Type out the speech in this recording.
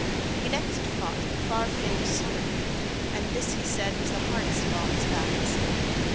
He next fought the far famed Solymi, and this, he said, was the hardest of all his battles.